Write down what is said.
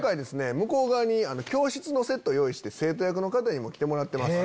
向こう側に教室のセットを用意して生徒役の方にも来てもらってます。